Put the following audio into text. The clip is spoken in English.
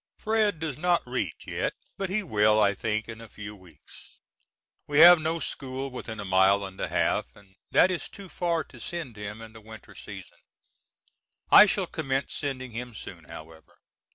Fred does not read yet, but he will, I think, in a few weeks. We have no school within a mile and a half, and that is too far to send him in the winter season. I shall commence sending him soon however.